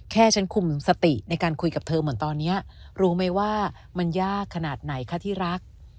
แค่ฉันคุมสติในการคุยกับเธอเหมือนตอนนี้รู้ไหมว่ามันยากขนาดไหนคะที่รัก